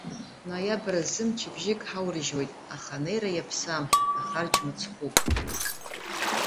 Ноиабр азы мчыбжьык ҳаурыжьуеит, аха анеира иаԥсам, ахарџь мыцхәуп.